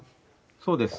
そうです。